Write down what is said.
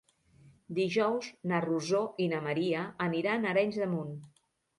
Dijous na Rosó i na Maria aniran a Arenys de Munt.